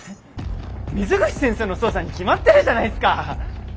水口先生の捜査に決まってるじゃないっすか！